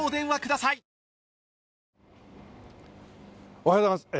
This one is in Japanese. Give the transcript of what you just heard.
おはようございます。